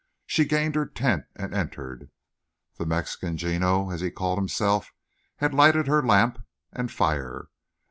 She gained her tent and entered. The Mexican, Gino, as he called himself, had lighted her lamp and fire.